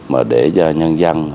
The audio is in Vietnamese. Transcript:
mà để cho nhân dân